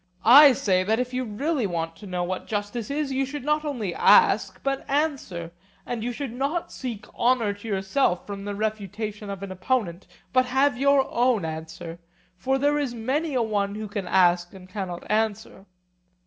I say that if you want really to know what justice is, you should not only ask but answer, and you should not seek honour to yourself from the refutation of an opponent, but have your own answer; for there is many a one who can ask and cannot answer.